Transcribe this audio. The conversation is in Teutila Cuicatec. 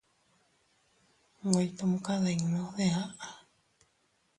Nwe ytumkadinnu de aʼa.